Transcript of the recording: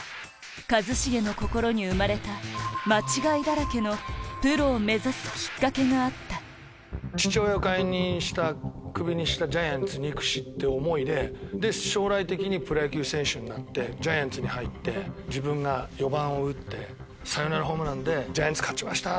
一茂の心に生まれたプロを目指す父親を解任したクビにしたジャイアンツ憎しって思いで将来的にプロ野球選手になってジャイアンツに入って自分が４番を打ってサヨナラホームランでジャイアンツ勝ちました